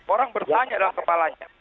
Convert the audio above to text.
orang bertanya dalam kepalanya